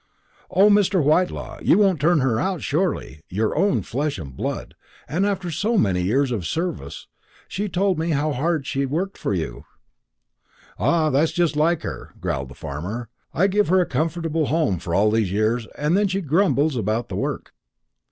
"O, Mr. Whitelaw, you won't turn her out, surely your own flesh and blood, and after so many years of service. She told me how hard she had worked for you." "Ah, that's just like her," growled the farmer. "I give her a comfortable home for all these years, and then she grumbles about the work."